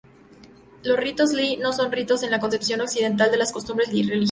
Los ritos li no son ritos en la concepción occidental de las costumbres religiosas.